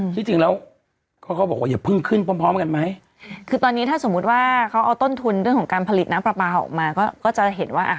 ที่จริงแล้วเขาก็บอกว่าอย่าเพิ่งขึ้นพร้อมพร้อมกันไหมคือตอนนี้ถ้าสมมุติว่าเขาเอาต้นทุนเรื่องของการผลิตน้ำปลาปลาออกมาก็ก็จะเห็นว่าอ่ะ